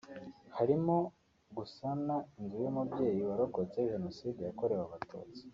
harimo gusana inzu y’umubyeyi warokotse Jenoside yakorewe abatutsi